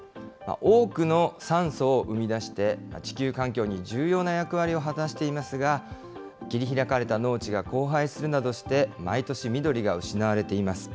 多くの酸素を生み出して、地球環境に重要な役割を果たしていますが、切り開かれた農地が荒廃するなどして、毎年、緑が失われています。